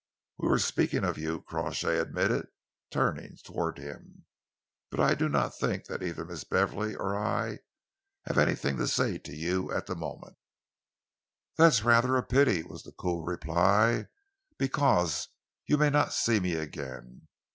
"We were speaking of you," Crawshay admitted, turning towards him, "but I do not think that either Miss Beverley or I have anything to say to you at the moment." "That's rather a pity," was the cool reply, "because you may not see me again.